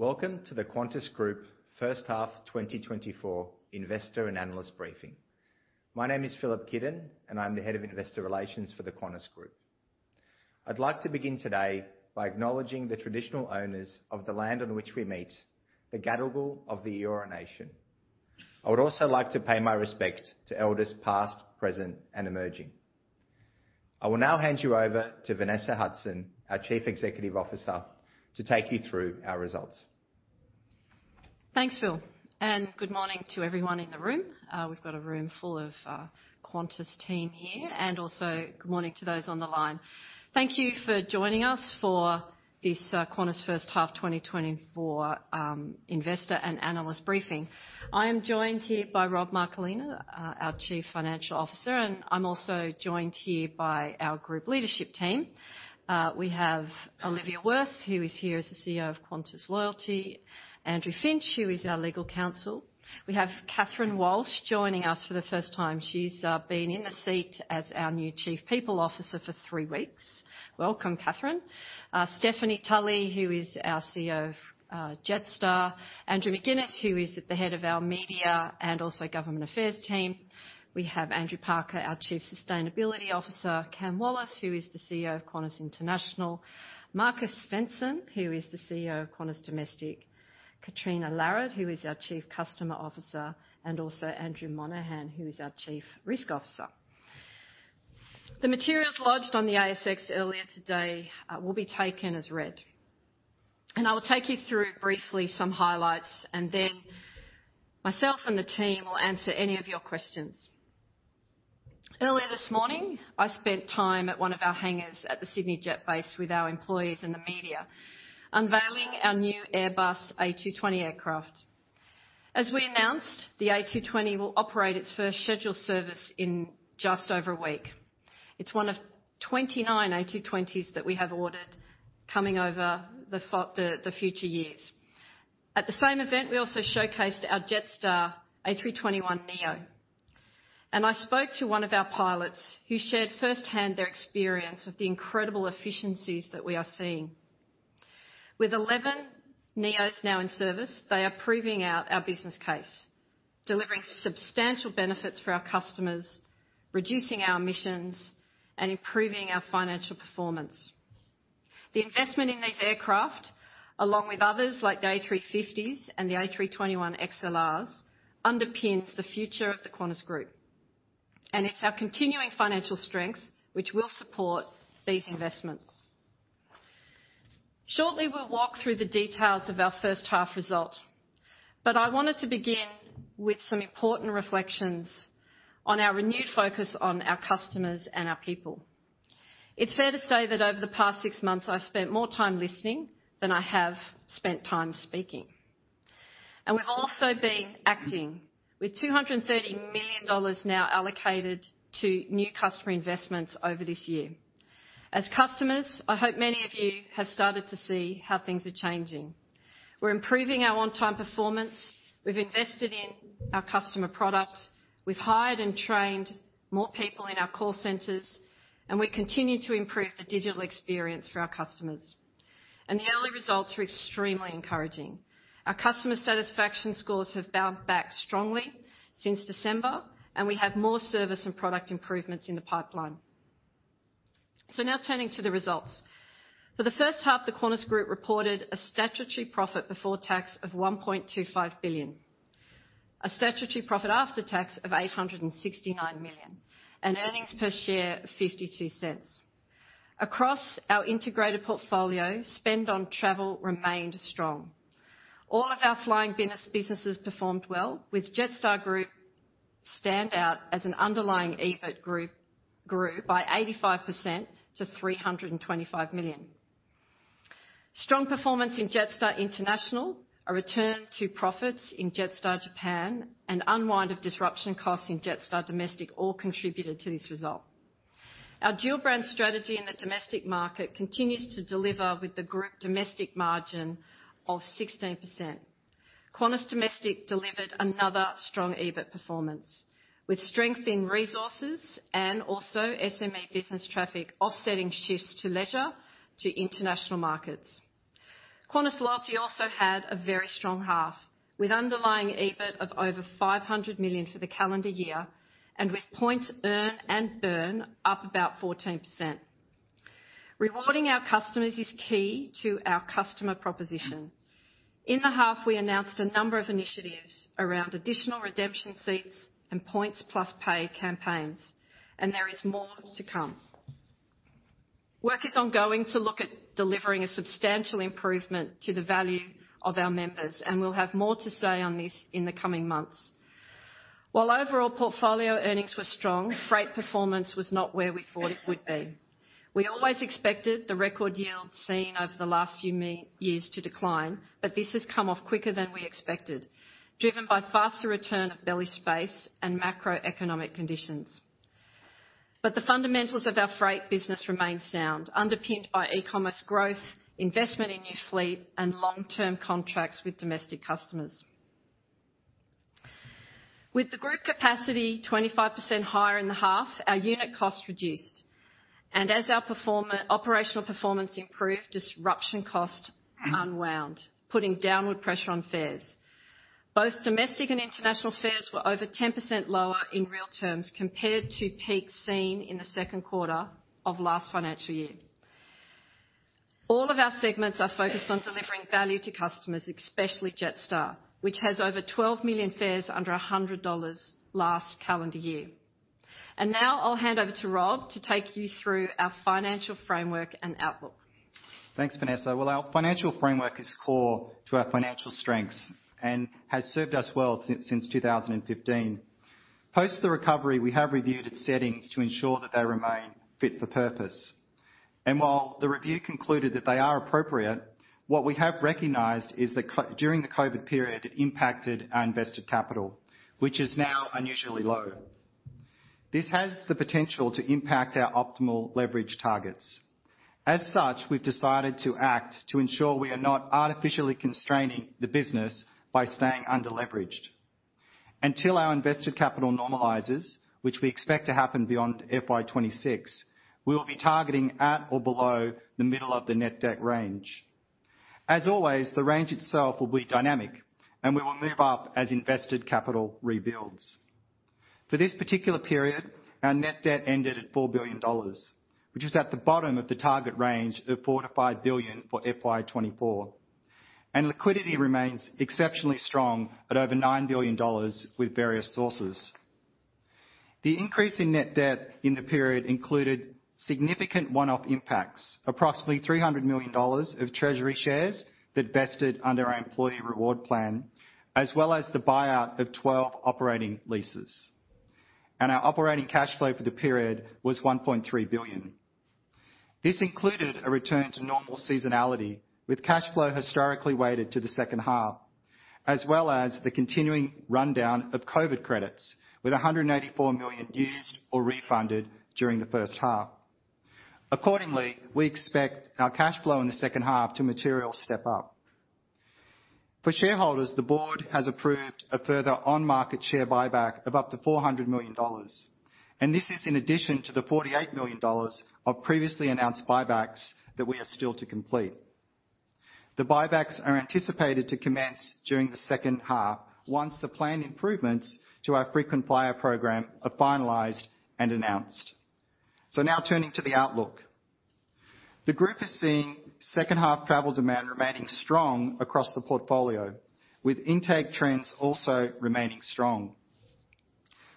Welcome to the Qantas Group First Half 2024 Investor and Analyst Briefing. My name is Filip Kidon, and I'm the Head of Investor Relations for the Qantas Group. I'd like to begin today by acknowledging the traditional owners of the land on which we meet, the Gadigal of the Eora Nation. I would also like to pay my respect to elders past, present, and emerging. I will now hand you over to Vanessa Hudson, our Chief Executive Officer, to take you through our results. Thanks, Filip, and good morning to everyone in the room. We've got a room full of Qantas team here, and also good morning to those on the line. Thank you for joining us for this Qantas First Half 2024 Investor and Analyst Briefing. I am joined here by Rob Marcolina, our Chief Financial Officer, and I'm also joined here by our group leadership team. We have Olivia Wirth, who is here as the CEO of Qantas Loyalty; Andrew Finch, who is our Legal Counsel. We have Catherine Walsh joining us for the first time. She's been in the seat as our new Chief People Officer for 3 weeks. Welcome, Catherine. Stephanie Tully, who is our CEO of Jetstar. Andrew McGinnes, who is at the Head of our Media and also Government Affairs Team. We have Andrew Parker, our Chief Sustainability Officer. Cam Wallace, who is the CEO of Qantas International. Markus Svensson, who is the CEO of Qantas Domestic. Catriona Larritt, who is our Chief Customer Officer, and also Andrew Monaghan, who is our Chief Risk Officer. The materials lodged on the ASX earlier today will be taken as read. I will take you through briefly some highlights, and then myself and the team will answer any of your questions. Earlier this morning, I spent time at one of our hangars at the Sydney Jet Base with our employees and the media, unveiling our new Airbus A220 aircraft. As we announced, the A220 will operate its first scheduled service in just over a week. It's one of 29 A220s that we have ordered coming over the future years. At the same event, we also showcased our Jetstar A321neo, and I spoke to one of our pilots who shared firsthand their experience of the incredible efficiencies that we are seeing. With 11 NEOs now in service, they are proving out our business case, delivering substantial benefits for our customers, reducing our emissions, and improving our financial performance. The investment in these aircraft, along with others like the A350s and the A321XLRs, underpins the future of the Qantas Group, and it's our continuing financial strength which will support these investments. Shortly, we'll walk through the details of our first half result, but I wanted to begin with some important reflections on our renewed focus on our customers and our people. It's fair to say that over the past six months, I've spent more time listening than I have spent time speaking. We've also been acting with 230 million dollars now allocated to new customer investments over this year. As customers, I hope many of you have started to see how things are changing. We're improving our on-time performance, we've invested in our customer product, we've hired and trained more people in our call centers, and we continue to improve the digital experience for our customers. The early results are extremely encouraging. Our customer satisfaction scores have bounced back strongly since December, and we have more service and product improvements in the pipeline. Now turning to the results. For the first half, the Qantas Group reported a statutory profit before tax of 1.25 billion, a statutory profit after tax of 869 million, and earnings per share of 0.52. Across our integrated portfolio, spend on travel remained strong. All of our flying businesses performed well with Jetstar Group standing out as an underlying EBIT group grew by 85% to 325 million. Strong performance in Jetstar International, a return to profits in Jetstar Japan, and unwind of disruption costs in Jetstar Domestic all contributed to this result. Our dual brand strategy in the domestic market continues to deliver with the group domestic margin of 16%. Qantas Domestic delivered another strong EBIT performance, with strength in resources and also SME business traffic, offsetting shifts to leisure, to international markets. Qantas Loyalty also had a very strong half, with underlying EBIT of over 500 million for the calendar year, and with points earn and burn up about 14%. Rewarding our customers is key to our customer proposition. In the half, we announced a number of initiatives around additional redemption seats and Points Plus Pay campaigns, and there is more to come. Work is ongoing to look at delivering a substantial improvement to the value of our members, and we'll have more to say on this in the coming months. While overall portfolio earnings were strong, freight performance was not where we thought it would be. We always expected the record yields seen over the last few years to decline, but this has come off quicker than we expected, driven by faster return of belly space and macroeconomic conditions. But the fundamentals of our freight business remain sound, underpinned by e-commerce growth, investment in new fleet, and long-term contracts with domestic customers. With the group capacity 25% higher in the half, our unit cost reduced. As our operational performance improved, disruption cost unwound, putting downward pressure on fares. Both domestic and international fares were over 10% lower in real terms compared to peaks seen in the second quarter of last financial year. All of our segments are focused on delivering value to customers, especially Jetstar, which has over 12 million fares under 100 dollars last calendar year. Now I'll hand over to Rob to take you through our financial framework and outlook. Thanks, Vanessa. Well, our financial framework is core to our financial strengths and has served us well since 2015. Post the recovery, we have reviewed its settings to ensure that they remain fit for purpose. And while the review concluded that they are appropriate, what we have recognized is that during the COVID period, it impacted our invested capital, which is now unusually low. This has the potential to impact our optimal leverage targets. As such, we've decided to act to ensure we are not artificially constraining the business by staying under-leveraged. Until our invested capital normalizes, which we expect to happen beyond FY 2026, we will be targeting at or below the middle of the net debt range. As always, the range itself will be dynamic, and we will move up as invested capital rebuilds. For this particular period, our net debt ended at 4 billion dollars, which is at the bottom of the target range of 4 billion-5 billion for FY 2024. Liquidity remains exceptionally strong at over 9 billion dollars with various sources. The increase in net debt in the period included significant one-off impacts, approximately 300 million dollars of treasury shares that vested under our employee reward plan, as well as the buyout of 12 operating leases. Our operating cash flow for the period was 1.3 billion. This included a return to normal seasonality, with cash flow historically weighted to the second half, as well as the continuing rundown of COVID credits, with 184 million used or refunded during the first half. Accordingly, we expect our cash flow in the second half to materially step up. For shareholders, the Board has approved a further on-market share buyback of up to 400 million dollars, and this is in addition to the 48 million dollars of previously announced buybacks that we are still to complete. The buybacks are anticipated to commence during the second half, once the planned improvements to our frequent flyer program are finalized and announced. So now turning to the outlook. The group is seeing second half travel demand remaining strong across the portfolio, with intake trends also remaining strong.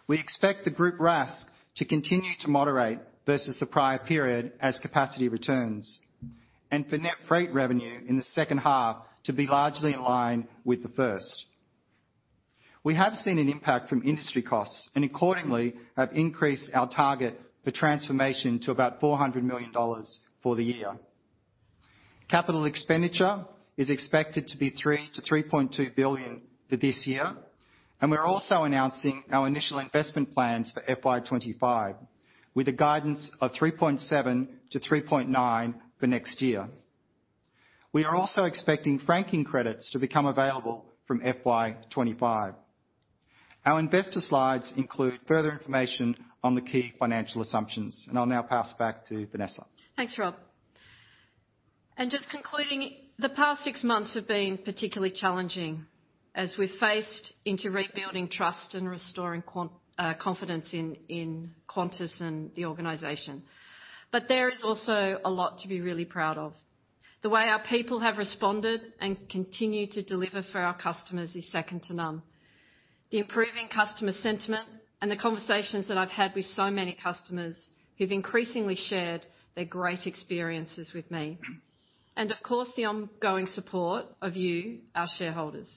We expect the group RASK to continue to moderate versus the prior period as capacity returns, and for net freight revenue in the second half to be largely in line with the first. We have seen an impact from industry costs and accordingly have increased our target for transformation to about 400 million dollars for the year. Capital expenditure is expected to be 3 billion-3.2 billion for this year, and we're also announcing our initial investment plans for FY 2025, with a guidance of 3.7 billion-3.9 billion for next year. We are also expecting franking credits to become available from FY 2025. Our investor slides include further information on the key financial assumptions, and I'll now pass back to Vanessa. Thanks, Rob. And just concluding, the past six months have been particularly challenging as we faced into rebuilding trust and restoring confidence in, in Qantas and the organization. There is also a lot to be really proud of. The way our people have responded and continue to deliver for our customers is second to none. The improving customer sentiment and the conversations that I've had with so many customers who've increasingly shared their great experiences with me, and of course, the ongoing support of you, our shareholders.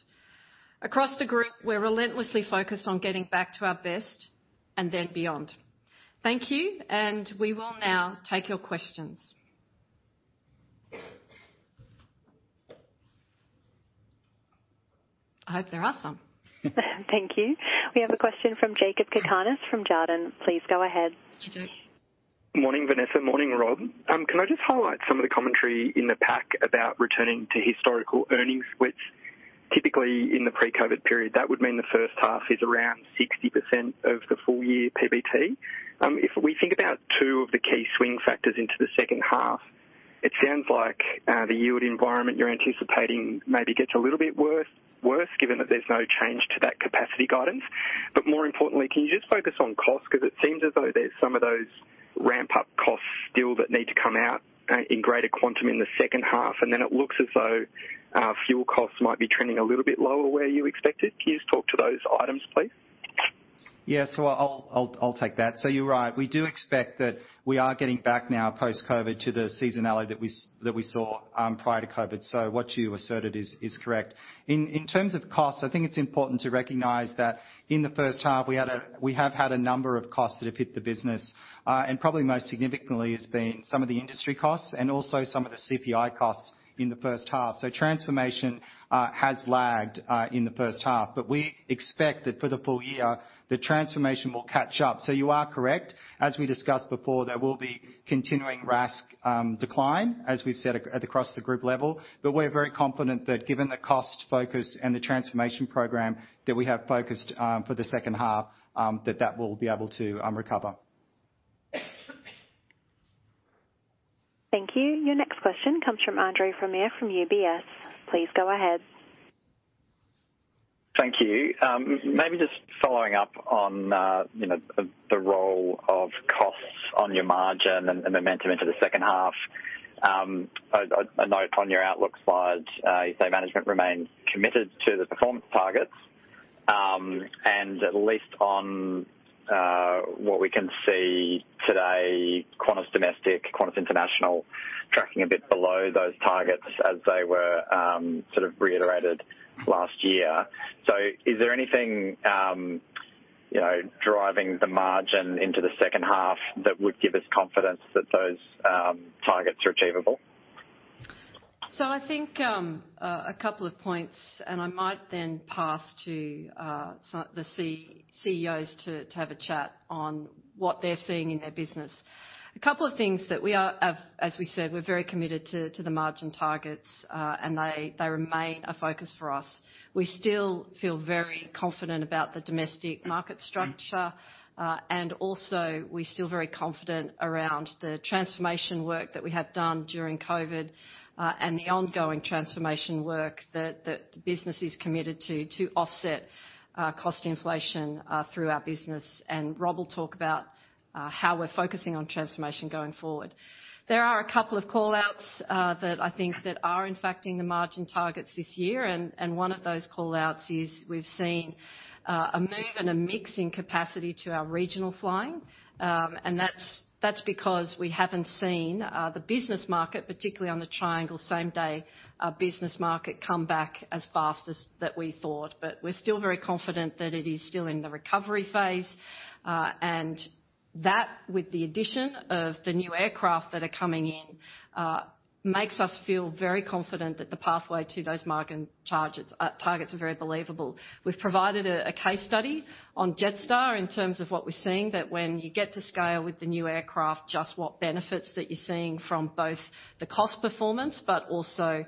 Across the group, we're relentlessly focused on getting back to our best and then beyond. Thank you, and we will now take your questions. I hope there are some. Thank you. We have a question from Jakob Cakarnis from Jarden. Please go ahead. Morning, Vanessa. Morning, Rob. Can I just highlight some of the commentary in the pack about returning to historical earnings, which typically in the pre-COVID period, that would mean the first half is around 60% of the full year PBT? If we think about two of the key swing factors into the second half, it sounds like the yield environment you're anticipating maybe gets a little bit worse, worse, given that there's no change to that capacity guidance. But more importantly, can you just focus on cost? 'Cause it seems as though there's some of those ramp-up costs still that need to come out in greater quantum in the second half, and then it looks as though fuel costs might be trending a little bit lower where you expected. Can you just talk to those items, please? Yeah, so I'll take that. You're right, we do expect that we are getting back now post-COVID to the seasonality that we saw prior to COVID. What you asserted is correct. In terms of costs, I think it's important to recognize that in the first half, we have had a number of costs that have hit the business, and probably most significantly has been some of the industry costs and also some of the CPI costs in the first half. So transformation has lagged in the first half, but we expect that for the full year, the transformation will catch up. You are correct. As we discussed before, there will be continuing RASK decline, as we've said across the group level. We're very confident that given the cost focus and the transformation program that we have focused, for the second half, that that will be able to recover. Thank you. Your next question comes from Andre Fromyhr from UBS. Please go ahead. Thank you. Maybe just following up on, you know, the role of costs on your margin and momentum into the second half. I note on your outlook slide, you say management remains committed to the performance targets. At least on what we can see today, Qantas Domestic, Qantas International, tracking a bit below those targets as they were sort of reiterated last year. Is there anything, you know, driving the margin into the second half that would give us confidence that those targets are achievable? I think, a couple of points, and I might then pass to the CEOs to have a chat on what they're seeing in their business. A couple of things that we are, as we said, we're very committed to the margin targets, and they remain a focus for us. We still feel very confident about the domestic market structure. Also, we're still very confident around the transformation work that we have done during COVID, and the ongoing transformation work that the business is committed to offset cost inflation through our business. Rob will talk about how we're focusing on transformation going forward. There are a couple of call-outs that I think that are impacting the margin targets this year, and one of those call-outs is we've seen a move and a mix in capacity to our regional flying. That's because we haven't seen the business market, particularly on the triangle, same-day business market, come back as fast as that we thought. We're still very confident that it is still in the recovery phase. That, with the addition of the new aircraft that are coming in, makes us feel very confident that the pathway to those margin charges, targets are very believable. We've provided a case study on Jetstar in terms of what we're seeing, that when you get to scale with the new aircraft, just what benefits that you're seeing from both the cost performance but also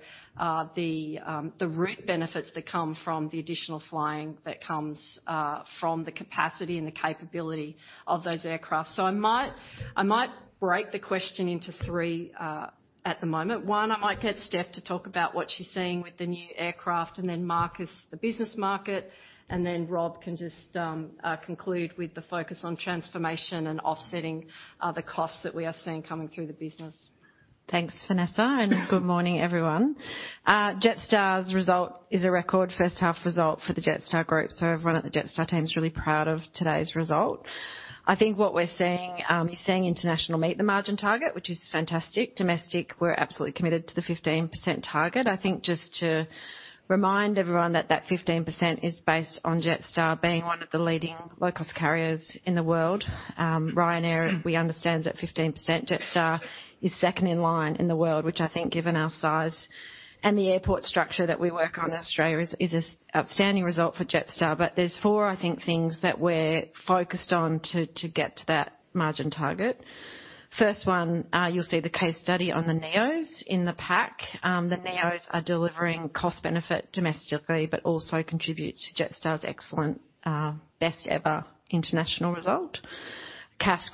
the route benefits that come from the additional flying that comes from the capacity and the capability of those aircraft. I might break the question into three at the moment. One, I might get Steph to talk about what she's seeing with the new aircraft, and then Markus, the business market, and then Rob can just conclude with the focus on transformation and offsetting the costs that we are seeing coming through the business. Thanks, Vanessa, and good morning, everyone. Jetstar's result is a record first half result for the Jetstar Group, so everyone at the Jetstar team is really proud of today's result. I think what we're seeing is seeing international meet the margin target, which is fantastic. Domestic, we're absolutely committed to the 15% target. I think just to remind everyone that that 15% is based on Jetstar being one of the leading low-cost carriers in the world. Ryanair, we understand, is at 15%. Jetstar is second in line in the world, which I think, given our size and the airport structure that we work on in Australia, is a outstanding result for Jetstar. There's four, I think, things that we're focused on to get to that margin target. First one, you'll see the case study on the NEOs in the pack. The NEOs are delivering cost benefit domestically, but also contribute to Jetstar's excellent, best-ever international result. CASK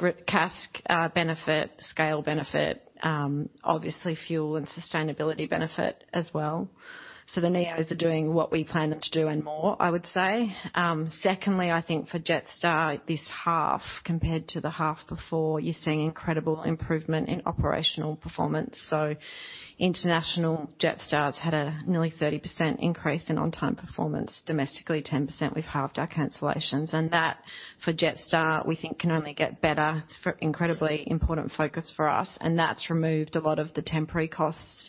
benefit, scale benefit, obviously, fuel and sustainability benefit as well. The NEOs are doing what we plan them to do and more, I would say. Secondly, I think for Jetstar this half compared to the half before, you're seeing incredible improvement in operational performance. International, Jetstar's had a nearly 30% increase in on-time performance. Domestically, 10%, we've halved our cancellations. For Jetstar, we think, can only get better. It's an incredibly important focus for us, and that's removed a lot of the temporary costs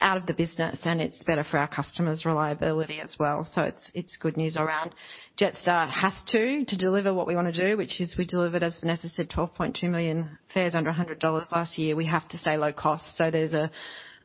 out of the business, and it's better for our customers' reliability as well. It's good news around. Jetstar has to deliver what we want to do, which is we delivered, as Vanessa said, 12.2 million fares under 100 dollars last year. We have to stay low cost. There's an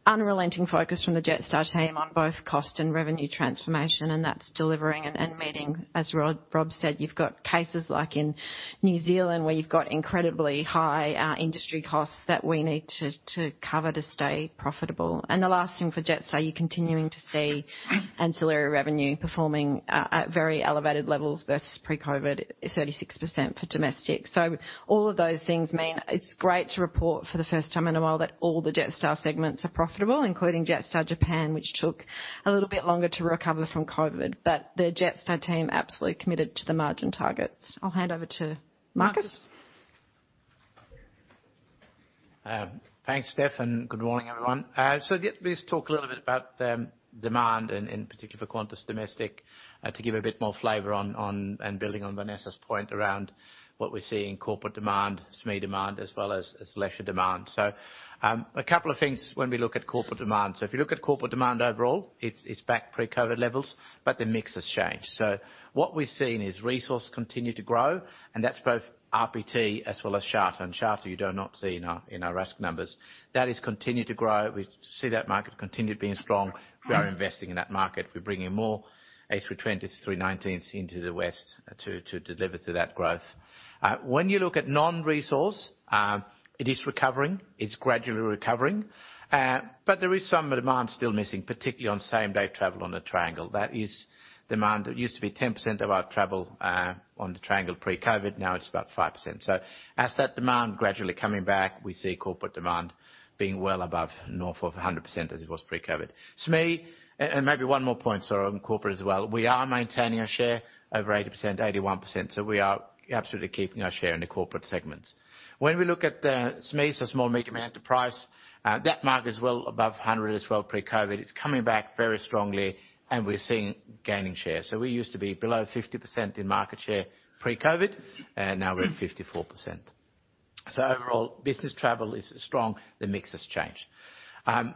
unrelenting focus from the Jetstar team on both cost and revenue transformation, and that's delivering and meeting. As Rob said, you've got cases like in New Zealand, where you've got incredibly high industry costs that we need to cover to stay profitable. The last thing for Jetstar, you're continuing to see ancillary revenue performing at very elevated levels versus pre-COVID, at 36% for domestic. All of those things mean it's great to report for the first time in a while that all the Jetstar segments are profitable, including Jetstar Japan, which took a little bit longer to recover from COVID. The Jetstar team absolutely committed to the margin targets. I'll hand over to Markus. Thanks, Steph, and good morning, everyone. Let me just talk a little bit about the demand and particularly for Qantas Domestic, to give a bit more flavor on and building on Vanessa's point around what we're seeing in corporate demand, SME demand, as well as leisure demand. A couple of things when we look at corporate demand. If you look at corporate demand overall, it's back pre-COVID levels, but the mix has changed. What we've seen is resources continue to grow, and that's both RPT as well as charter. Charter you do not see in our RASK numbers. That is continued to grow. We see that market continued being strong. We are investing in that market. We're bringing more A320s, A319s into the west to deliver to that growth. When you look at non-resource, it is recovering, it's gradually recovering, but there is some demand still missing, particularly on same-day travel on the triangle. That is demand that used to be 10% of our travel, on the triangle pre-COVID, now it's about 5%. As that demand gradually coming back, we see corporate demand being well above north of 100% as it was pre-COVID. SME. Maybe one more point, so on corporate as well, we are maintaining our share over 80%, 81%, so we are absolutely keeping our share in the corporate segments. When we look at the SMEs, so small medium enterprise, that market is well above 100 as well pre-COVID. It's coming back very strongly and we're seeing gaining share. We used to be below 50% in market share pre-COVID, and now we're at 54%. Overall, business travel is strong, the mix has changed. On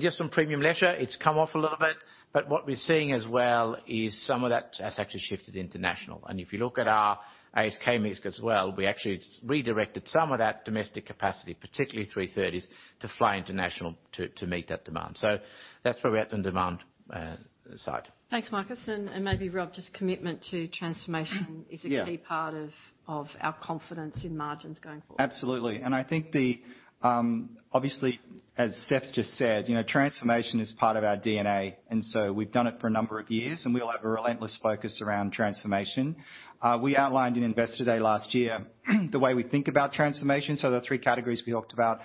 just on premium leisure, it's come off a little bit, but what we're seeing as well is some of that has actually shifted into national. If you look at our ASK mix as well, we actually redirected some of that domestic capacity, particularly 33s, to fly international to meet that demand. That's where we're at on demand side. Thanks, Markus. Maybe Rob, just commitment to transformation- Yeah. -is a key part of our confidence in margins going forward. Absolutely. I think, obviously, as Steph just said, you know, transformation is part of our DNA, and so we've done it for a number of years, and we all have a relentless focus around transformation. We outlined in Investor Day last year, the way we think about transformation. There are three categories we talked about: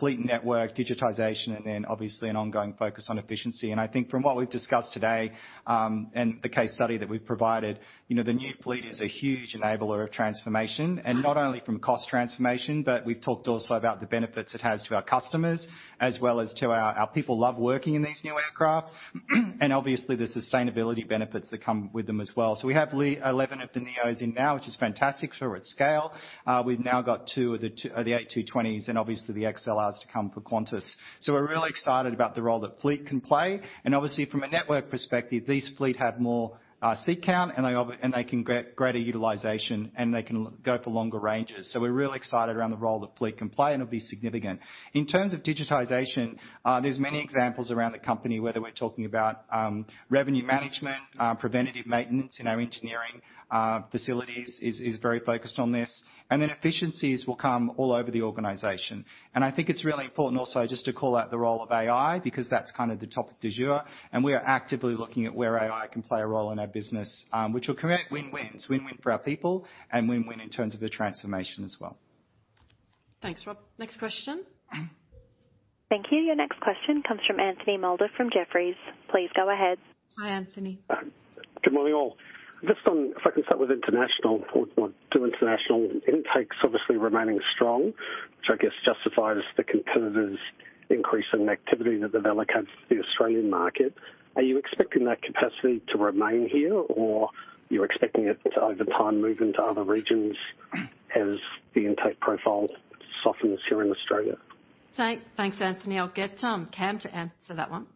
fleet network, digitization, and then obviously an ongoing focus on efficiency. I think from what we've discussed today, and the case study that we've provided, you know, the new fleet is a huge enabler of transformation, and not only from cost transformation, but we've talked also about the benefits it has to our customers, as well as to our, our people love working in these new aircraft, and obviously, the sustainability benefits that come with them as well. We have 11 of the NEOs in now, which is fantastic, so we're at scale. We've now got two of the A220s and obviously the XLRs to come for Qantas. We're really excited about the role that fleet can play. Obviously, from a network perspective, these fleet have more seat count, and they and they can get greater utilization, and they can go for longer ranges. We're really excited around the role that fleet can play, and it'll be significant. In terms of digitization, there's many examples around the company, whether we're talking about revenue management, preventative maintenance in our engineering facilities is very focused on this, and then efficiencies will come all over the organization. I think it's really important also just to call out the role of AI, because that's kind of the topic du jour, and we are actively looking at where I can play a role in our business, which will create win-wins. Win-win for our people, and win-win in terms of the transformation as well. Thanks, Rob. Next question? Thank you. Your next question comes from Anthony Moulder from Jefferies. Please go ahead. Hi, Anthony. Good morning, all. Just on, if I can start with international, point one, do international intakes obviously remaining strong, which I guess justifies the competitors increasing activity that they allocate to the Australian market. Are you expecting that capacity to remain here, or you're expecting it to, over time, move into other regions as the intake profile softens here in Australia? Thanks, Anthony. I'll get Cam to answer that one.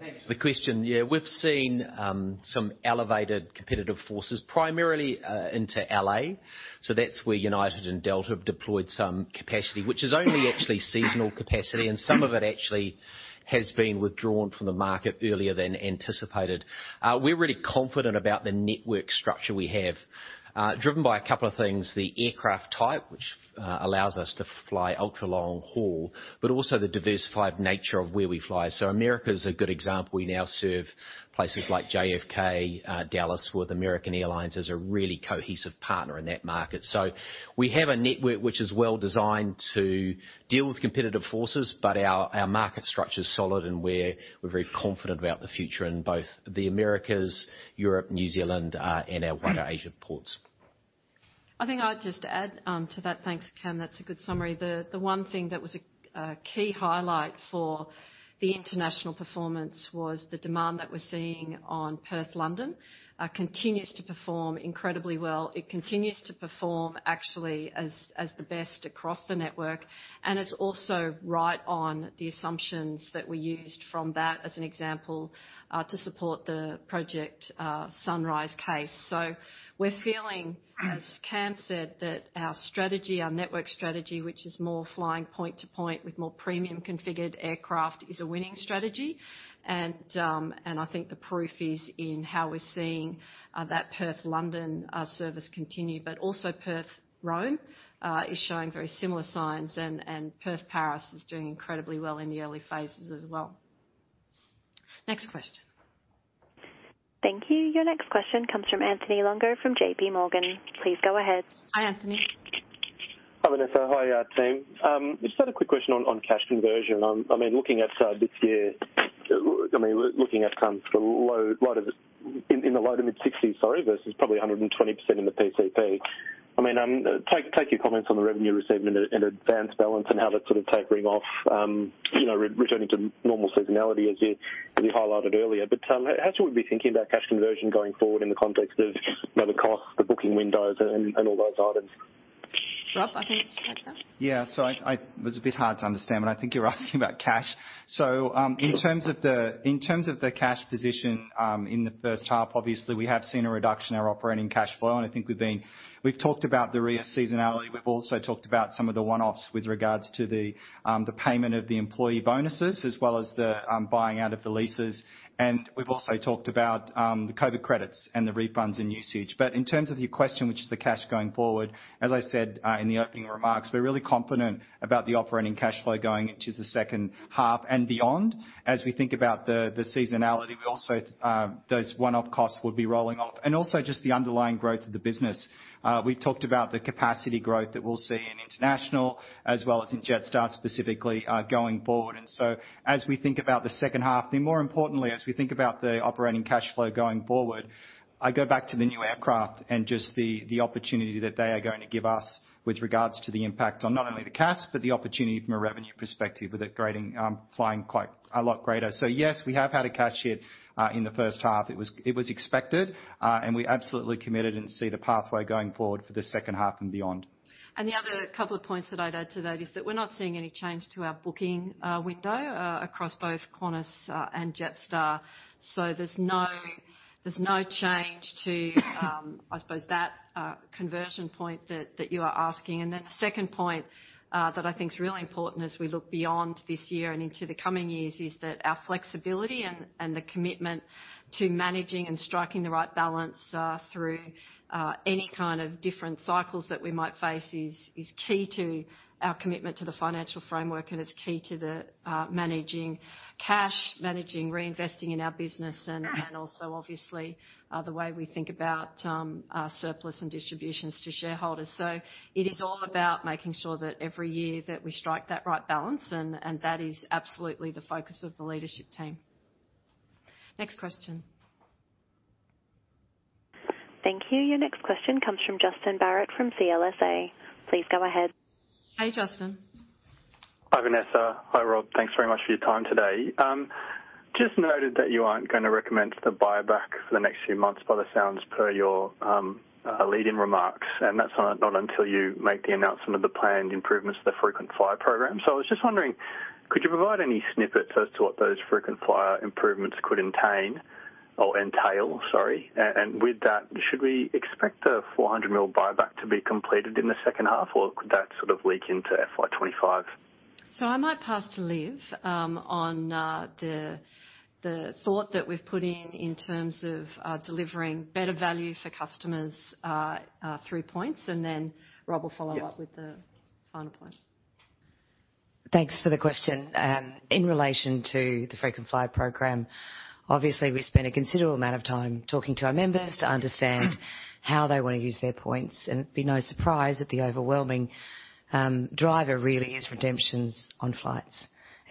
Thanks for the question. Yeah, we've seen some elevated competitive forces, primarily into L.A. That's where United and Delta have deployed some capacity, which is only actually seasonal capacity, and some of it actually has been withdrawn from the market earlier than anticipated. We're really confident about the network structure we have, driven by a couple of things: the aircraft type, which allows us to fly ultra-long haul, but also the diversified nature of where we fly. America is a good example. We now serve places like JFK, Dallas, with American Airlines as a really cohesive partner in that market. We have a network which is well-designed to deal with competitive forces, but our market structure is solid, and we're very confident about the future in both the Americas, Europe, New Zealand, and our wider Asian ports. I think I'd just add to that. Thanks, Cam. That's a good summary. The one thing that was a key highlight for the international performance was the demand that we're seeing on Perth-London continues to perform incredibly well. It continues to perform actually as the best across the network, and it's also right on the assumptions that we used from that as an example to support the Project Sunrise case. We're feeling, as Cam said, that our strategy, our network strategy, which is more flying point-to-point with more premium configured aircraft, is a winning strategy. I think the proof is in how we're seeing that Perth-London service continue, but also Perth-Rome is showing very similar signs, and Perth-Paris is doing incredibly well in the early phases as well. Next question. Thank you. Your next question comes from Anthony Longo, from JPMorgan. Please go ahead. Hi, Anthony. Hi, Vanessa. Hi, team. Just had a quick question on cash conversion. I mean, looking at this year, I mean, looking at kind of the low, right? In the low to mid-60s%, sorry, versus probably 120% in the PCP. I mean, take your comments on the revenue received in an advanced balance and how that's sort of tapering off, you know, returning to normal seasonality as you highlighted earlier. But how should we be thinking about cash conversion going forward in the context of, you know, the cost, the booking windows and all those items? Rob, I think you can take that. Yeah. It was a bit hard to understand, but I think you're asking about cash. In terms of the cash position, in the first half, obviously, we have seen a reduction in our operating cash flow, and I think we've talked about the year seasonality. We've also talked about some of the one-offs with regards to the payment of the employee bonuses, as well as the buying out of the leases. We've also talked about the COVID credits and the refunds and usage. In terms of your question, which is the cash going forward, as I said, in the opening remarks, we're really confident about the operating cash flow going into the second half and beyond. As we think about the seasonality, we also, those one-off costs will be rolling off, and also just the underlying growth of the business. We've talked about the capacity growth that we'll see in international as well as in Jetstar, specifically, going forward. As we think about the second half, then more importantly, as we think about the operating cash flow going forward, I go back to the new aircraft and just the opportunity that they are going to give us with regards to the impact on not only the cash, but the opportunity from a revenue perspective with a grading, flying quite a lot greater. Yes, we have had a cash hit in the first half. It was expected, and we're absolutely committed and see the pathway going forward for the second half and beyond. The other couple of points that I'd add to that is that we're not seeing any change to our booking window across both Qantas and Jetstar. There's no change to, I suppose, that conversion point that you are asking. Then the second point that I think is really important as we look beyond this year and into the coming years, is that our flexibility and the commitment to managing and striking the right balance through any kind of different cycles that we might face is key to our commitment to the financial framework, and it's key to the managing cash, managing reinvesting in our business, and also obviously the way we think about our surplus and distributions to shareholders. It is all about making sure that every year that we strike that right balance, and that is absolutely the focus of the leadership team. Next question. Thank you. Your next question comes from Justin Barratt, from CLSA. Please go ahead. Hi, Justin. Hi, Vanessa. Hi, Rob. Thanks very much for your time today. Just noted that you aren't going to recommend the buyback for the next few months, by the sounds, per your lead-in remarks, and that's not until you make the announcement of the planned improvements to the frequent flyer program. I was just wondering, could you provide any snippet as to what those frequent flyer improvements could entail? Sorry. With that, should we expect the 400 million buyback to be completed in the second half, or could that sort of leak into FY 2025? I might pass to Liv on the thought that we've put in, in terms of delivering better value for customers through points, and then Rob will follow up. Yeah. With the final point. Thanks for the question. In relation to the frequent flyer program, obviously, we spent a considerable amount of time talking to our members to understand how they want to use their points, and it'd be no surprise that the overwhelming driver really is redemptions on flights.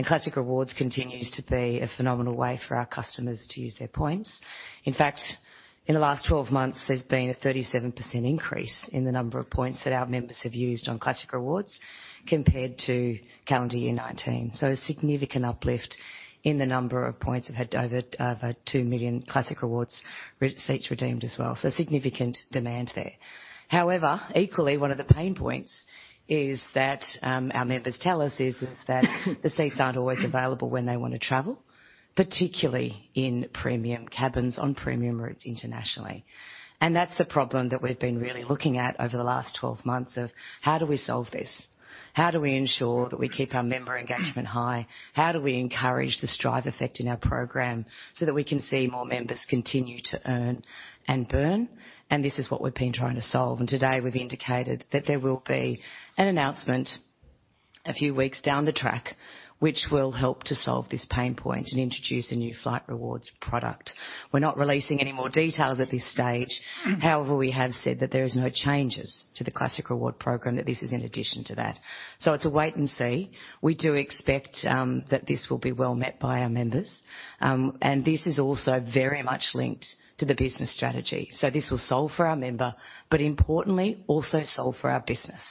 Classic Rewards continues to be a phenomenal way for our customers to use their points. In fact, in the last 12 months, there's been a 37% increase in the number of points that our members have used on Classic Rewards compared to calendar year 2019. So a significant uplift in the number of points. We've had over 2 million Classic Rewards seats redeemed as well, so significant demand there. However, equally, one of the pain points is that, our members tell us is that the seats aren't always available when they want to travel, particularly in premium cabins, on premium routes internationally. That's the problem that we've been really looking at over the last 12 months of: How do we solve this? How do we ensure that we keep our member engagement high? How do we encourage the strive effect in our program so that we can see more members continue to earn and burn? This is what we've been trying to solve, and today we've indicated that there will be an announcement a few weeks down the track, which will help to solve this pain point and introduce a new flight rewards product. We're not releasing any more details at this stage. However, we have said that there is no changes to the Classic Rewards program, that this is in addition to that. So it's a wait and see. We do expect that this will be well met by our members. This is also very much linked to the business strategy. This will solve for our member, but importantly, also solve for our business.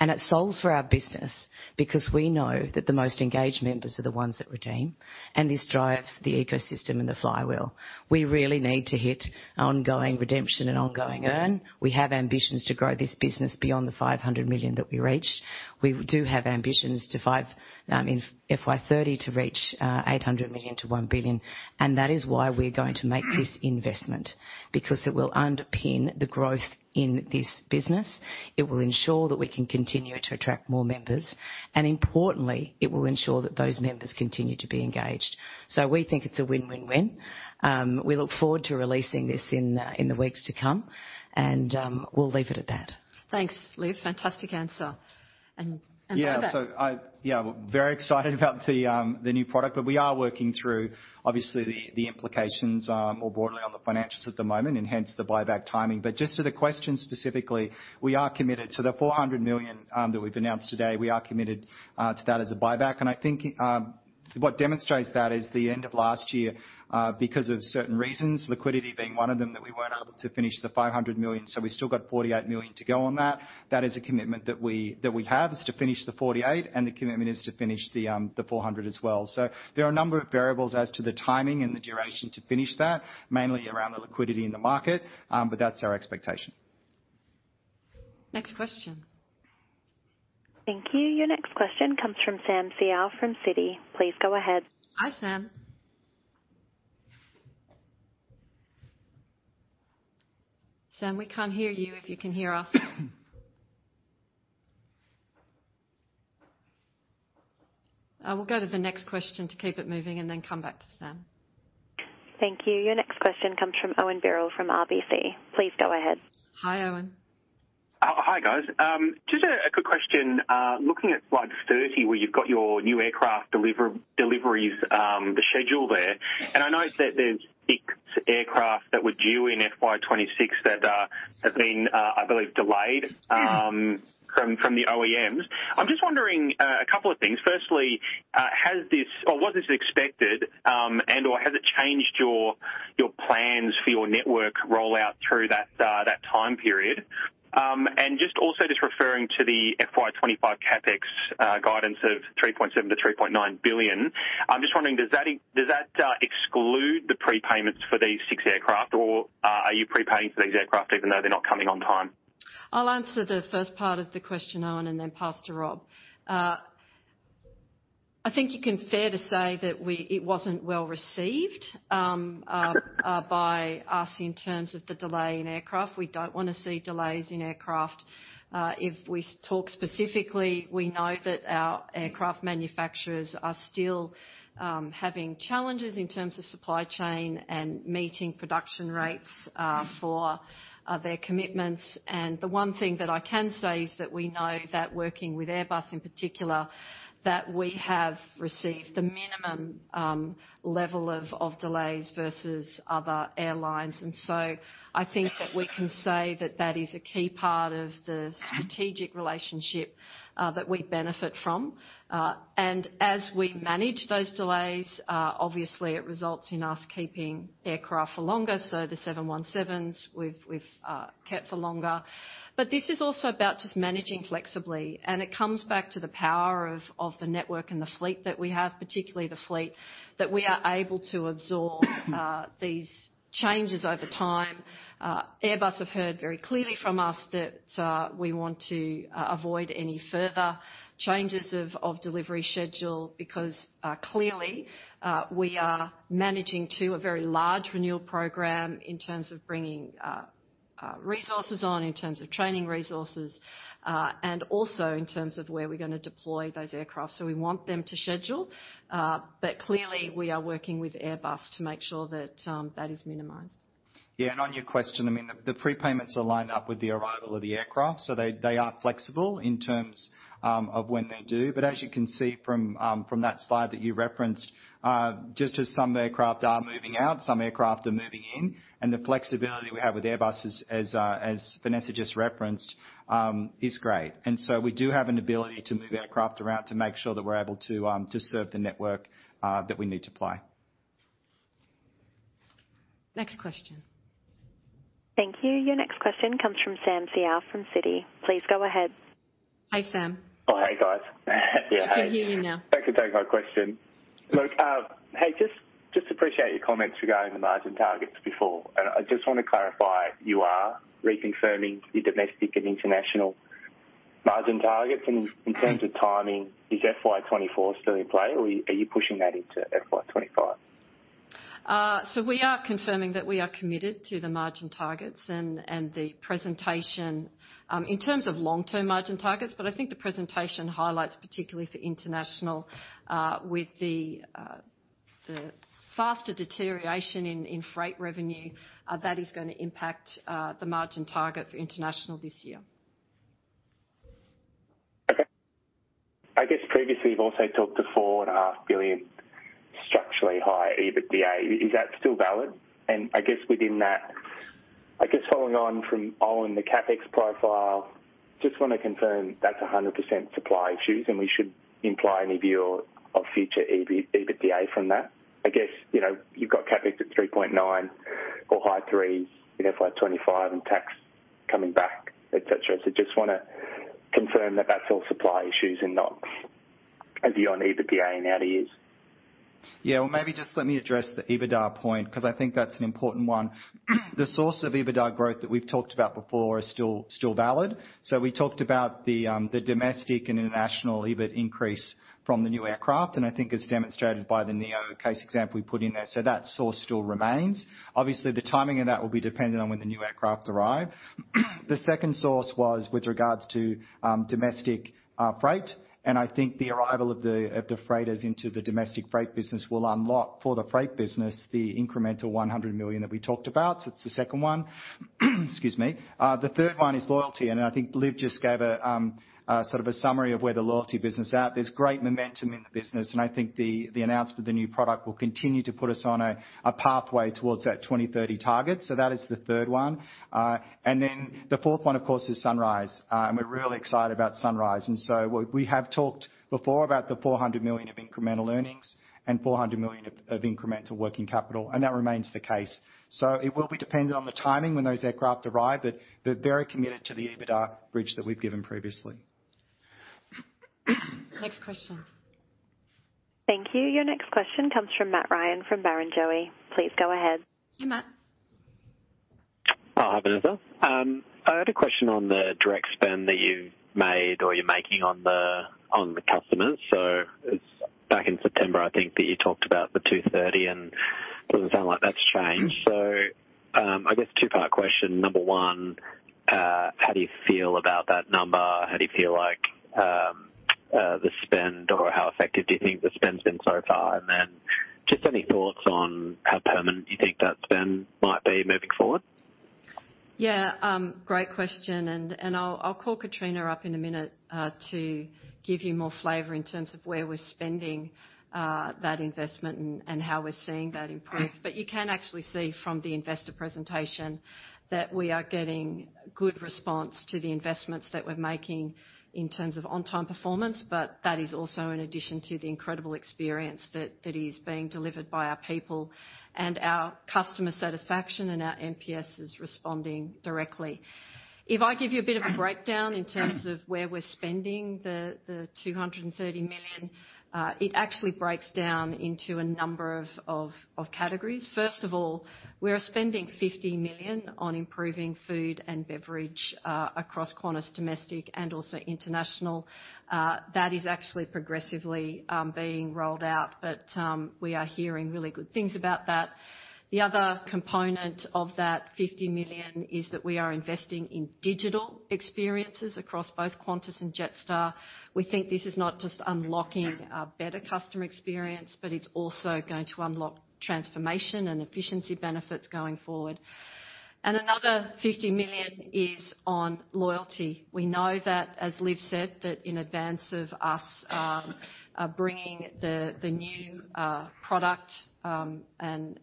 It solves for our business because we know that the most engaged members are the ones that redeem, and this drives the ecosystem and the flywheel. We really need to hit ongoing redemption and ongoing earn. We have ambitions to grow this business beyond the 500 million that we reached. We do have ambitions to five in FY 2030 to reach 800 million-1 billion, and that is why we're going to make this investment, because it will underpin the growth in this business, it will ensure that we can continue to attract more members, and importantly, it will ensure that those members continue to be engaged. We think it's a win-win-win. We look forward to releasing this in the weeks to come, and we'll leave it at that. Thanks, Liv. Fantastic answer. Rob? Yeah. Yeah, we're very excited about the new product, but we are working through, obviously, the implications more broadly on the financials at the moment, and hence the buyback timing. Just to the question specifically, we are committed to the 400 million that we've announced today. We are committed to that as a buyback. I think what demonstrates that is the end of last year because of certain reasons, liquidity being one of them, that we weren't able to finish the 500 million. We still got 48 million to go on that. That is a commitment that we have, is to finish the 48, and the commitment is to finish the 400 as well. There are a number of variables as to the timing and the duration to finish that, mainly around the liquidity in the market, but that's our expectation. Next question. Thank you. Your next question comes from Sam Seow from Citi. Please go ahead. Hi, Sam. Sam, we can't hear you. If you can hear us? We'll go to the next question to keep it moving, and then come back to Sam. Thank you. Your next question comes from Owen Birrell, from RBC. Please go ahead. Hi, Owen. Hi, guys. Just a quick question. Looking at slide 30, where you've got your new aircraft deliveries, the schedule there, and I notice that there's 6 aircraft that were due in FY 2026 that have been, I believe, delayed from the OEMs. I'm just wondering a couple of things. Firstly, has this or was this expected, and/or has it changed your plans for your network rollout through that time period? Just also just referring to the FY 2025 CapEx guidance of 3.7 billion-3.9 billion, I'm just wondering, does that exclude the prepayments for these 6 aircraft, or are you prepaying for these 6 aircraft even though they're not coming on time? I'll answer the first part of the question, Owen, and then pass to Rob. I think you can fair to say that it wasn't well received by us in terms of the delay in aircraft. We don't want to see delays in aircraft. If we talk specifically, we know that our aircraft manufacturers are still having challenges in terms of supply chain and meeting production rates for their commitments. The one thing that I can say is that we know that working with Airbus, in particular, that we have received the minimum level of delays versus other airlines. I think that we can say that that is a key part of the strategic relationship that we benefit from. As we manage those delays, obviously, it results in us keeping aircraft for longer. The 717s, we've, we've kept for longer. This is also about just managing flexibly, and it comes back to the power of, of the network and the fleet that we have, particularly the fleet, that we are able to absorb these changes over time. Airbus have heard very clearly from us that we want to avoid any further changes of delivery schedule, because clearly we are managing to a very large renewal program in terms of bringing resources on, in terms of training resources, and also in terms of where we're gonna deploy those aircraft. We want them to schedule, but clearly we are working with Airbus to make sure that that is minimized. Yeah, and on your question, I mean, the prepayments are lined up with the arrival of the aircraft, so they are flexible in terms of when they're due. As you can see from that slide that you referenced, just as some aircraft are moving out, some aircraft are moving in, and the flexibility we have with Airbus, as Vanessa just referenced, is great. We do have an ability to move aircraft around to make sure that we're able to serve the network that we need to fly. Next question. Thank you. Your next question comes from Sam Seow from Citi. Please go ahead. Hi, Sam. Oh, hey, guys. Yeah. I can hear you now. Thank you for taking my question. Look, hey, just, just appreciate your comments regarding the margin targets before, and I just want to clarify, you are reconfirming your domestic and international margin targets? In terms of timing, is FY 2024 still in play, or are you pushing that into FY 2025? We are confirming that we are committed to the margin targets and the presentation in terms of long-term margin targets, but I think the presentation highlights, particularly for international, with the faster deterioration in freight revenue, that is gonna impact the margin target for international this year. Okay. I guess previously, you've also talked to 4.5 billion structurally high EBITDA. Is that still valid? I guess within that, I guess following on from Owen, the CapEx profile, just want to confirm that's 100% supply issues, and we shouldn't imply any view of future EBITDA from that. I guess, you know, you've got CapEx at 3.9 or high 3s in FY 2025 and tax coming back, et cetera. Just wanna confirm that that's all supply issues and not a view on EBITDA and out years? Yeah, well, maybe just let me address the EBITDA point, 'cause I think that's an important one. The source of EBITDA growth that we've talked about before is still, still valid. We talked about the domestic and international EBIT increase from the new aircraft, and I think it's demonstrated by the NEO case example we put in there, so that source still remains. Obviously, the timing of that will be dependent on when the new aircraft arrive. The second source was with regards to domestic freight, and I think the arrival of the freighters into the domestic freight business will unlock for the freight business the incremental 100 million that we talked about. It's the second one. Excuse me. The third one is loyalty, and I think Liv just gave a, a sort of a summary of where the loyalty business is at. There's great momentum in the business, and I think the, the announcement of the new product will continue to put us on a, a pathway towards that 2030 target. That is the third one. Then the fourth one, of course, is Sunrise. And we're really excited about Sunrise. We have talked before about the 400 million of incremental earnings and 400 million of incremental working capital, and that remains the case. It will be dependent on the timing when those aircraft arrive, but they're very committed to the EBITDA bridge that we've given previously. Next question. Thank you. Your next question comes from Matt Ryan, from Barrenjoey. Please go ahead. Hey, Matt. Oh, hi, Vanessa. I had a question on the direct spend that you made or you're making on the customers. It's back in September, I think, that you talked about the 230, and it doesn't sound like that's changed. I guess two-part question. Number one, how do you feel about that number? How do you feel like the spend or how effective do you think the spend been so far? Then just any thoughts on how permanent you think that spend might be moving forward? Yeah, great question, and I'll call Catriona up in a minute to give you more flavor in terms of where we're spending that investment and how we're seeing that improve. You can actually see from the investor presentation that we are getting good response to the investments that we're making in terms of on-time performance, but that is also in addition to the incredible experience that is being delivered by our people and our customer satisfaction, and our NPS is responding directly. If I give you a bit of a breakdown in terms of where we're spending the 230 million, it actually breaks down into a number of categories. First of all, we are spending 50 million on improving food and beverage across Qantas Domestic and also international. That is actually progressively being rolled out, but we are hearing really good things about that. The other component of that 50 million is that we are investing in digital experiences across both Qantas and Jetstar. We think this is not just unlocking a better customer experience, but it's also going to unlock transformation and efficiency benefits going forward. Another 50 million is on loyalty. We know that, as Liv said, that in advance of us bringing the new product and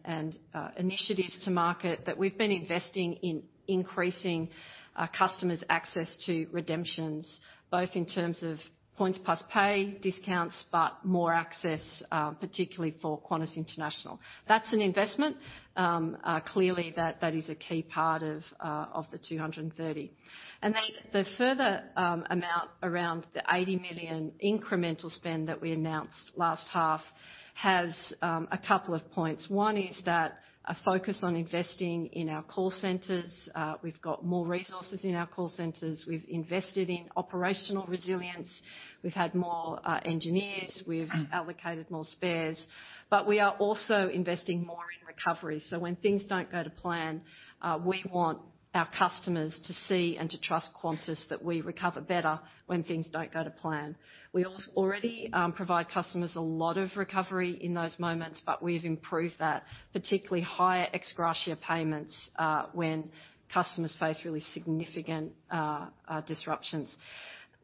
initiatives to market, that we've been investing in increasing our customers' access to redemptions, both in terms of Points Plus pay discounts, but more access, particularly for Qantas International. That's an investment. Clearly, that is a key part of the 230. Then the further amount around the 80 million incremental spend that we announced last half has a couple of points. One is that a focus on investing in our call centers. We've got more resources in our call centers. We've invested in operational resilience. We've had more engineers. We've allocated more spares. We are also investing more in recovery. When things don't go to plan, we want our customers to see and to trust Qantas that we recover better when things don't go to plan. We already provide customers a lot of recovery in those moments, but we've improved that, particularly higher ex gratia payments, when customers face really significant disruptions.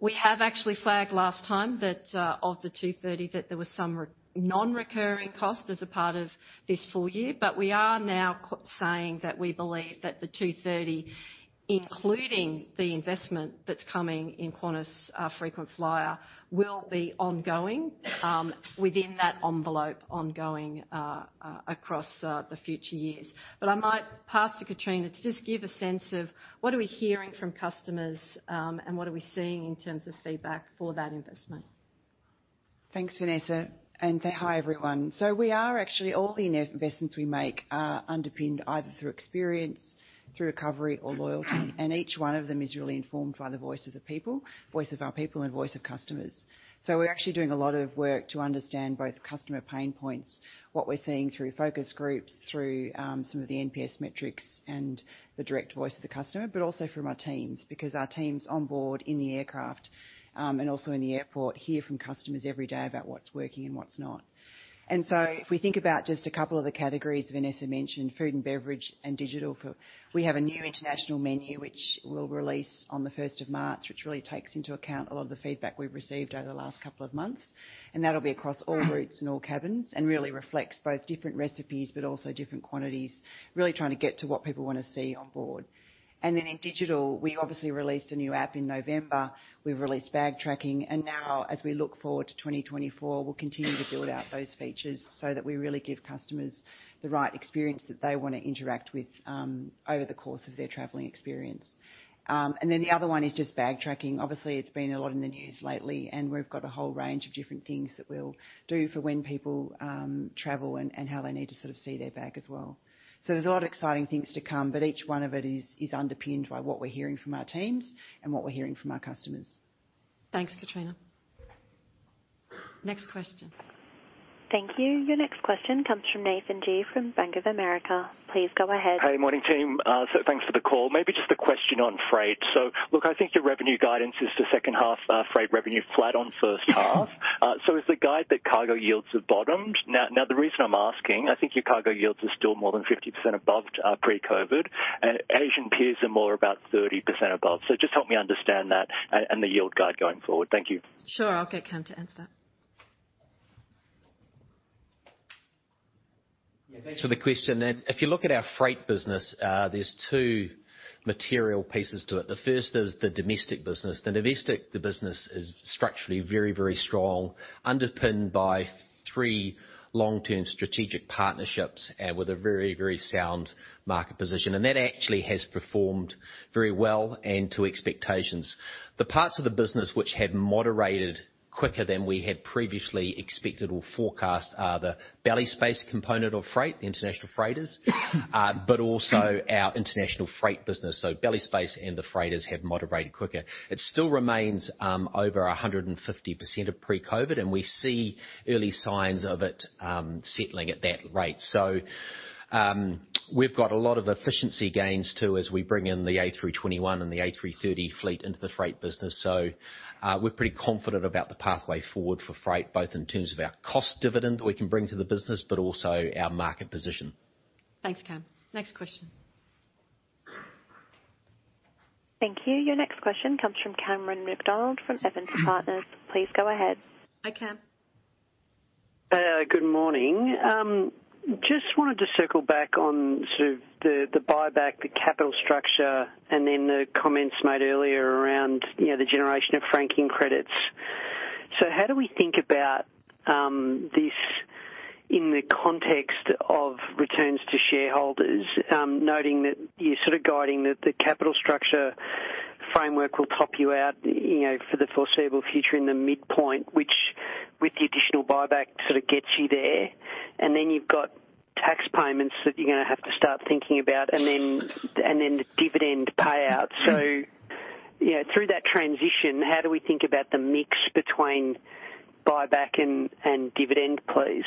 We have actually flagged last time that, of the 230, that there was some non-recurring costs as a part of this full year, but we are now saying that we believe that the 230, including the investment that's coming in Qantas Frequent Flyer, will be ongoing, within that envelope, ongoing, across, the future years. I might pass to Catriona to just give a sense of what are we hearing from customers, and what are we seeing in terms of feedback for that investment. Thanks, Vanessa, and hi, everyone. We are actually all the investments we make are underpinned either through experience, through recovery, or loyalty, and each one of them is really informed by the voice of the people, voice of our people, and voice of customers. We're actually doing a lot of work to understand both customer pain points, what we're seeing through focus groups, through some of the NPS metrics and the direct voice of the customer, but also from our teams, because our teams on board, in the aircraft, and also in the airport, hear from customers every day about what's working and what's not. If we think about just a couple of the categories Vanessa mentioned, food and beverage and digital. We have a new international menu, which we'll release on the first of March, which really takes into account a lot of the feedback we've received over the last couple of months, and that'll be across all routes and all cabins and really reflects both different recipes, but also different quantities, really trying to get to what people want to see on board. Then in digital, we obviously released a new app in November. We've released bag tracking, and now as we look forward to 2024, we'll continue to build out those features so that we really give customers the right experience that they want to interact with over the course of their traveling experience. Then the other one is just bag tracking. Obviously, it's been a lot in the news lately, and we've got a whole range of different things that we'll do for when people travel and how they need to sort of see their bag as well. There's a lot of exciting things to come, but each one of it is underpinned by what we're hearing from our teams and what we're hearing from our customers. Thanks, Catriona. Next question. Thank you. Your next question comes from Nathan Gee from Bank of America. Please go ahead. Hey, morning, team. Thanks for the call. Maybe just a question on freight. Look, I think your revenue guidance is to second half, freight revenue flat on first half. Is the guide that cargo yields have bottomed? Now, the reason I'm asking, I think your cargo yields are still more than 50% above, pre-COVID, and Asian peers are more about 30% above. So just help me understand that and the yield guide going forward. Thank you. Sure. I'll get Cam to answer that. Yeah, thanks for the question, and if you look at our freight business, there's two material pieces to it. The first is the domestic business. The domestic, the business is structurally very, very strong, underpinned by three long-term strategic partnerships and with a very, very sound market position, and that actually has performed very well and to expectations. The parts of the business which have moderated quicker than we had previously expected or forecast are the belly space component of freight, the international freighters, but also our international freight business. Belly space and the freighters have moderated quicker. It still remains over 150% of pre-COVID, and we see early signs of it settling at that rate. We've got a lot of efficiency gains, too, as we bring in the A321 and the A330 fleet into the freight business. We're pretty confident about the pathway forward for freight, both in terms of our cost dividend we can bring to the business, but also our market position. Thanks, Cam. Next question. Thank you. Your next question comes from Cameron McDonald from Evans and Partners. Please go ahead. Hi, Cam. Good morning. Just wanted to circle back on sort of the buyback, the capital structure, and then the comments made earlier around, you know, the generation of franking credits. How do we think about this in the context of returns to shareholders, noting that you're sort of guiding that the capital structure framework will top you out, you know, for the foreseeable future in the midpoint, which, with the additional buyback, sort of gets you there? Then you've got tax payments that you're gonna have to start thinking about, and then the dividend payout. You know, through that transition, how do we think about the mix between buyback and dividend, please?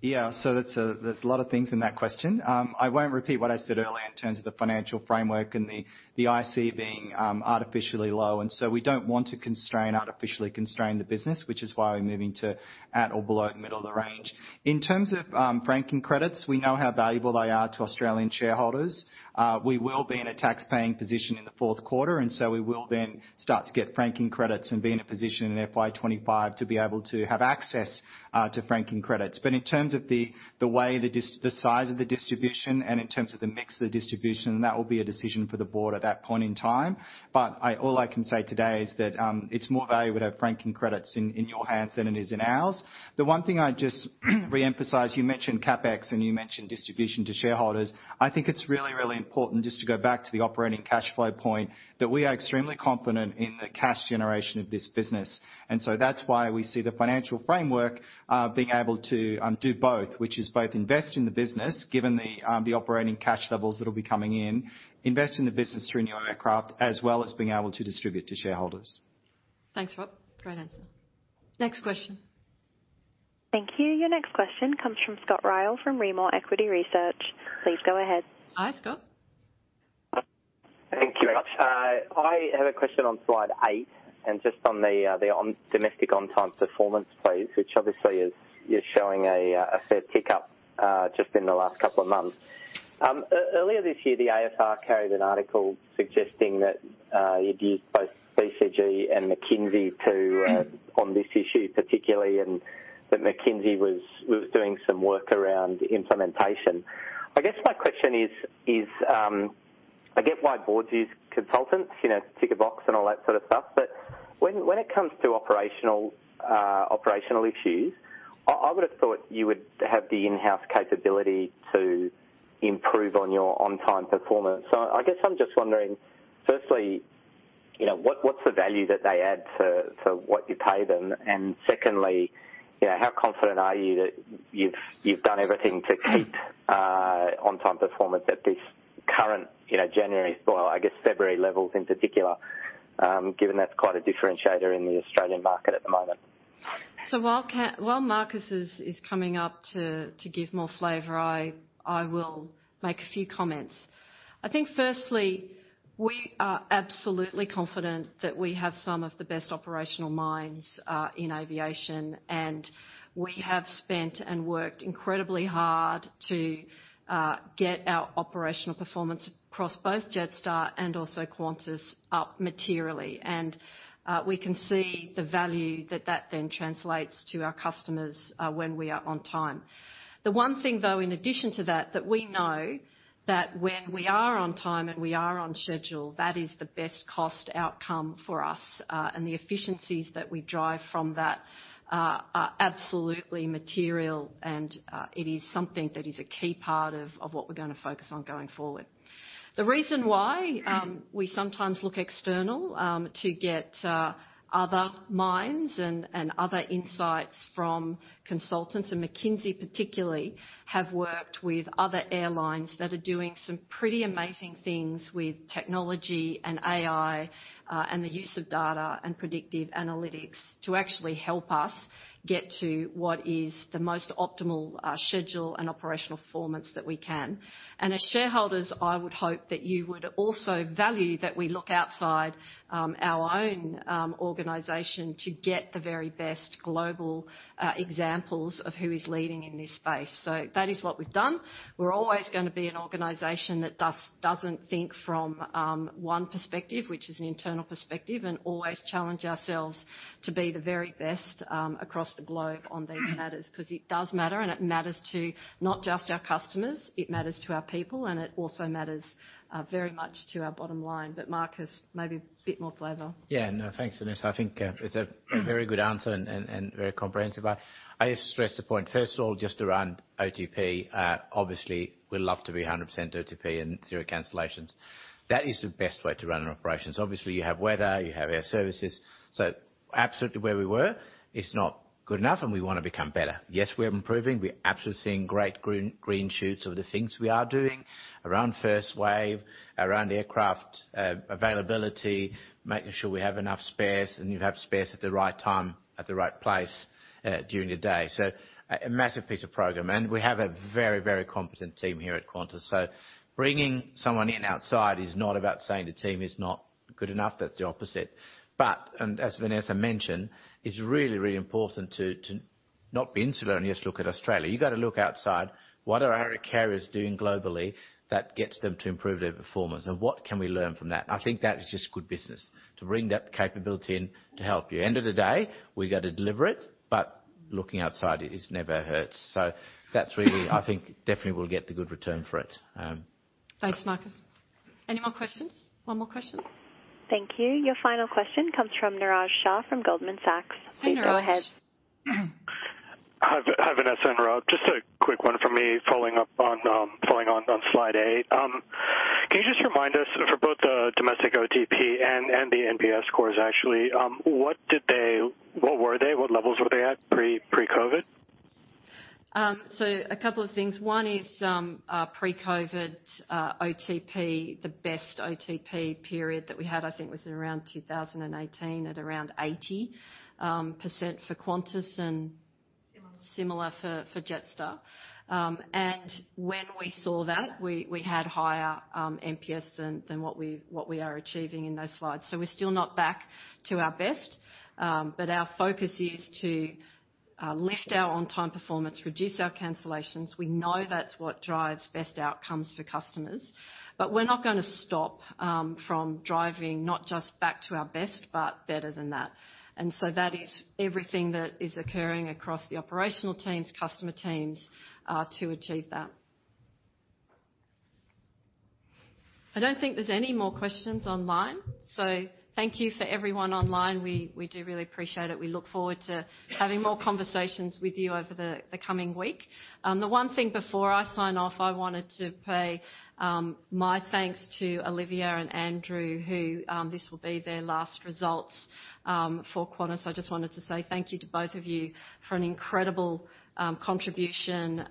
Yeah, so that's, there's a lot of things in that question. I won't repeat what I said earlier in terms of the financial framework and the IC being artificially low, and so we don't want to constrain, artificially constrain the business, which is why we're moving to at or below the middle of the range. In terms of franking credits, we know how valuable they are to Australian shareholders. We will be in a tax-paying position in the fourth quarter, and so we will then start to get franking credits and be in a position in FY 2025 to be able to have access to franking credits. In terms of the way the size of the distribution and in terms of the mix of the distribution, that will be a decision for the Board at that point in time. All I can say today is that, it's more value with our franking credits in your hands than it is in ours. The one thing I'd just reemphasize, you mentioned CapEx, and you mentioned distribution to shareholders. I think it's really, really important, just to go back to the operating cash flow point, that we are extremely confident in the cash generation of this business. That's why we see the financial framework being able to do both, which is both invest in the business, given the operating cash levels that will be coming in, invest in the business through new aircraft, as well as being able to distribute to shareholders. Thanks, Rob. Great answer. Next question. Thank you. Your next question comes from Scott Ryall, from Rimor Equity Research. Please go ahead. Hi, Scott. Thank you very much. I have a question on slide eight, and just on the domestic on-time performance, please, which obviously is, you're showing a fair tick-up just in the last couple of months. Earlier this year, the AFR carried an article suggesting that you'd used both BCG and McKinsey on this issue, particularly, and that McKinsey was doing some work around implementation. I guess my question is, I get why Boards use consultants, you know, tick a box and all that sort of stuff, but when it comes to operational issues, I would have thought you would have the in-house capability to improve on your on-time performance. I guess I'm just wondering, firstly, you know, what's the value that they add to what you pay them? Secondly, you know, how confident are you that you've done everything to keep On-Time Performance at this current, you know, January, well, I guess February levels in particular, given that's quite a differentiator in the Australian market at the moment? While Markus is coming up to give more flavor, I will make a few comments. I think firstly, we are absolutely confident that we have some of the best operational minds in aviation, and we have spent and worked incredibly hard to get our operational performance across both Jetstar and also Qantas up materially. We can see the value that then translates to our customers when we are on time. The one thing, though, in addition to that, that we know that when we are on time and we are on schedule, that is the best cost outcome for us, and the efficiencies that we derive from that are absolutely material, and it is something that is a key part of what we're gonna focus on going forward. The reason why, we sometimes look external, to get, other minds and other insights from consultants, and McKinsey particularly, have worked with other airlines that are doing some pretty amazing things with technology and AI, and the use of data and predictive analytics, to actually help us get to what is the most optimal, schedule and operational performance that we can. As shareholders, I would hope that you would also value that we look outside, our own, organization to get the very best global, examples of who is leading in this space. That is what we've done. We're always gonna be an organization that does, doesn't think from, one perspective, which is an internal perspective, and always challenge ourselves to be the very best, across the globe on these matters. 'Cause it does matter, and it matters to not just our customers, it matters to our people, and it also matters, very much to our bottom line. Markus, maybe a bit more flavor. Yeah, no, thanks, Vanessa. I think it's a very good answer and very comprehensive. I just stress the point, first of all, just around OTP. Obviously, we'd love to be 100% OTP and zero cancellations. That is the best way to run an operations. Obviously, you have weather, you have Airservices. Absolutely where we were is not good enough, and we want to become better. Yes, we are improving. We're absolutely seeing great green shoots of the things we are doing around first wave, around aircraft availability, making sure we have enough spares, and you have spares at the right time, at the right place during the day. A massive piece of program. And we have a very, very competent team here at Qantas. Bringing someone in outside is not about saying the team is not good enough, that's the opposite. As Vanessa mentioned, it's really, really important to, to not be insular and just look at Australia. You've got to look outside. What are other carriers doing globally that gets them to improve their performance, and what can we learn from that? I think that is just good business, to bring that capability in to help you. End of the day, we got to deliver it, but looking outside, it is never hurts. That's really, I think definitely we'll get the good return for it. Thanks, Markus. Any more questions? One more question. Thank you. Your final question comes from Niraj Shah from Goldman Sachs. Hi, Niraj. Please go ahead. Hi Vanessa and Rob. Just a quick one from me, following up on, following on, on slide 8. Can you just remind us for both the domestic OTP and, and the NPS scores, actually, what did they. What were they? What levels were they at pre, pre-COVID? A couple of things. One is, pre-COVID, OTP, the best OTP period that we had, I think was around 2018, at around 80% for Qantas and Similar for Jetstar. When we saw that, we, we had higher, NPS than, than what we, what we are achieving in those slides. We're still not back to our best, but our focus is to, lift our on-time performance, reduce our cancellations. We know that's what drives best outcomes for customers. We're not gonna stop, from driving, not just back to our best, but better than that. That is everything that is occurring across the operational teams, customer teams, to achieve that. I don't think there's any more questions online, so thank you for everyone online. We do really appreciate it. We look forward to having more conversations with you over the coming week. The one thing before I sign off, I wanted to pay my thanks to Olivia and Andrew, who this will be their last results for Qantas. I just wanted to say thank you to both of you for an incredible contribution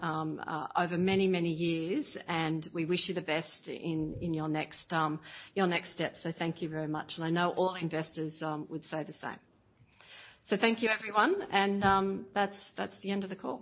over many, many years, and we wish you the best in your next step. Thank you very much. AI know all investors would say the same. Thank you, everyone, and that's the end of the call.